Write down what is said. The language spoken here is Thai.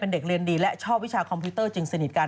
เด็กเรียนดีและชอบวิชาคอมพิวเตอร์จึงสนิทกัน